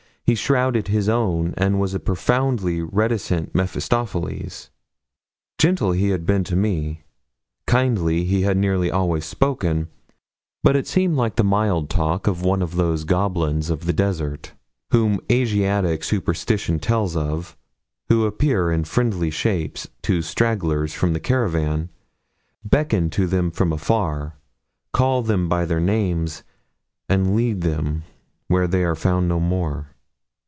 He shrouded his own, and was a profoundly reticent Mephistopheles. Gentle he had been to me kindly he had nearly always spoken; but it seemed like the mild talk of one of those goblins of the desert, whom Asiatic superstition tells of, who appear in friendly shapes to stragglers from the caravan, beckon to them from afar, call them by their names, and lead them where they are found no more.